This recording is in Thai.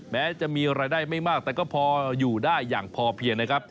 แม้จะมีรายได้ไม่มากแต่ก็พออยู่ได้อย่างพอเพียงนะครับ